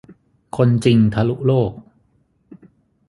คนจริงทะลุโลก